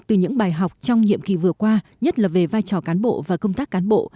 từ những bài học trong nhiệm kỳ vừa qua nhất là về vai trò cán bộ và công tác cán bộ